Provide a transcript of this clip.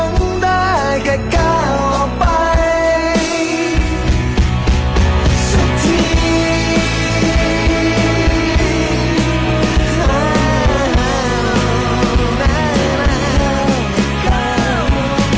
คนเรายังคงมีความหวังได้